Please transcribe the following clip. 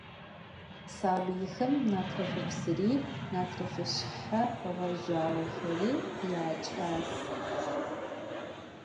Sabıyxem natrıfıpsıri natrıfışshe ğezjüağexeri yaç'as.